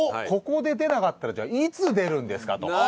ここで出なかったらじゃあいつ出るんですかと。